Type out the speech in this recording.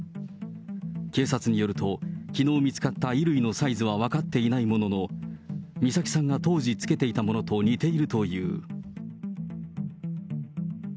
警察によると、きのう見つかった衣類のサイズは分かっていないものの、美咲さんが当時つけていたものと似ているという。